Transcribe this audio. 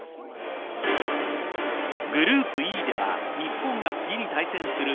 グループＥでは日本が次に対戦するＦＩＦＡ